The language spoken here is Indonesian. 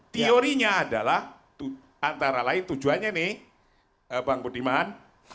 teorinya adalah antara lain tujuannya nih bang budiman